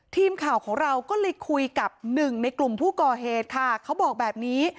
ทีมข่าวของเราก็เลยคุยกับหนึ่งในกลุ่มผู้ก่อเหตุค่ะเขาบอกแบบนี้